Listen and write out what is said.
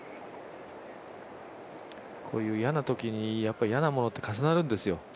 こういう嫌なときに嫌なものって重なるんですよ。